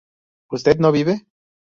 ¿usted no vive?